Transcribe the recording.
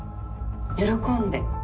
喜んで。